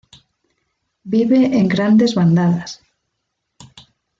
Vive en grandes bandadas.